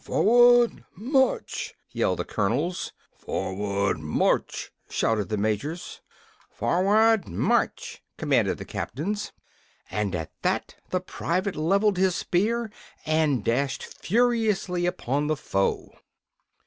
"For ward march!" yelled the colonels. "For ward march!" shouted the majors. "For ward march!" commanded the captains. And at that the private leveled his spear and dashed furiously upon the foe.